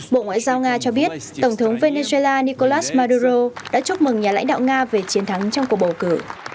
bộ ngoại giao nga cho biết tổng thống venezuela nicolas maduro đã chúc mừng nhà lãnh đạo nga về chiến thắng trong cuộc bầu cử